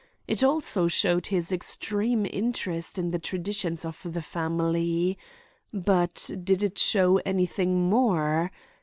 It also showed his extreme interest in the traditions of the family. But did it show anything more?